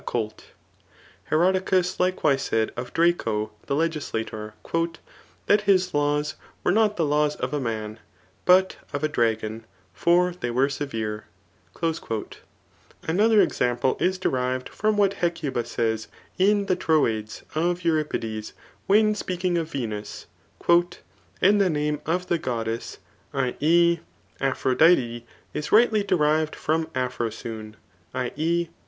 a <:oU.'} Herodicus likewise said of Draco the legislator, *' That his laws were not the laws of a man, but of a dragofi ; for they were severe/* Another ex ample is derived from what Hecuba says in Qhe Troades of] Euripides, when speaking of Venus, And the name of the goddess \\. e. Aphrodite^ is rightly derived from aphrosune [i. e.